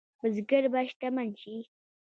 بزګر به شتمن شي؟